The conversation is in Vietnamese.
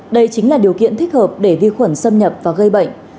đây chính là điều kiện thích hợp để vi khuẩn xâm nhập và gây bệnh